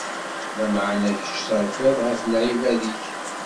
Lameɛna, kečč terfiḍ ɣef lεibad-ik.